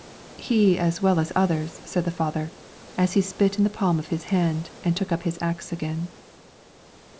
"He as well as others," said the father, as he spit in the palm of his hand and took up the axe again.